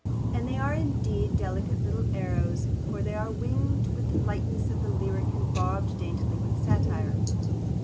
And they are indeed delicate little arrows, for they are winged with the lightness of the lyric and barbed daintily with satire.